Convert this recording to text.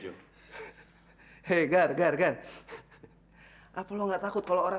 masih nggak ada yang pernah nelpon